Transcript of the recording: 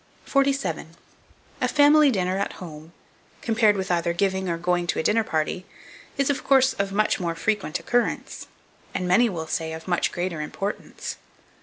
47. A FAMILY DINNER AT HOME, compared with either giving or going to a dinner party, is, of course, of much more frequent occurrence, and many will say, of much greater importance.